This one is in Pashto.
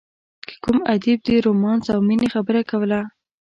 که کوم ادیب د رومانس او مینې خبره کوله.